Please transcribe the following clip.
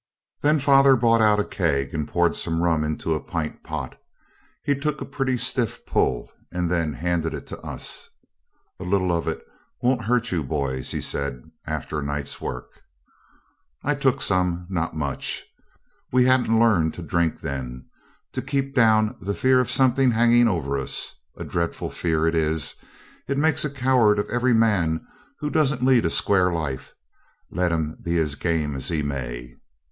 Then father brought out a keg and poured some rum into a pint pot. He took a pretty stiff pull, and then handed it to us. 'A little of it won't hurt you, boys,' he said, 'after a night's work.' I took some not much; we hadn't learned to drink then to keep down the fear of something hanging over us. A dreadful fear it is. It makes a coward of every man who doesn't lead a square life, let him be as game as he may.